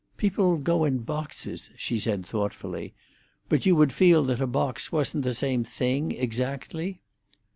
"People go in boxes," she said thoughtfully; "but you would feel that a box wasn't the same thing exactly?"